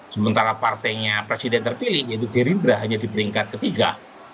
sementara partainya presiden terpilih yaitu gerindra hanya di peringkat ketiga